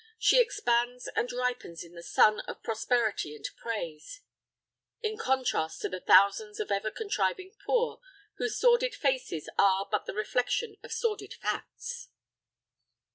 She expands and ripens in the sun of prosperity and praise, in contrast to the thousands of the ever contriving poor, whose sordid faces are but the reflection of sordid facts.